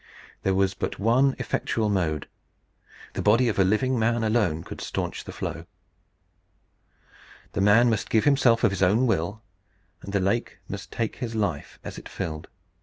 There was but one effectual mode. The body of a living man could alone stanch the flow. The man must give himself of his own will; and the lake must take his life as it filled.